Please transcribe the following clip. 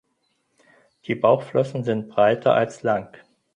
Die Bauchflossen sind breiter als lang.